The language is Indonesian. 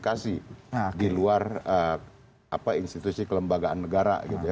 kepala staf kepresiden dalam melakukan komunikasi di luar apa institusi kelembagaan negara gitu ya